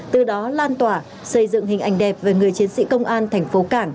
từ đó lan tỏa xây dựng hình ảnh đẹp về người chiến sĩ công an thành phố cảng trong lòng dân